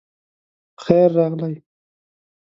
پخیر راغلی